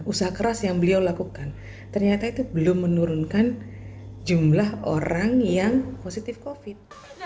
usaha keras yang beliau lakukan ternyata itu belum menurunkan jumlah orang yang positif covid